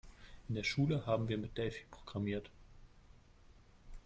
In der Schule haben wir mit Delphi programmiert.